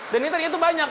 dan ini tadi itu banyak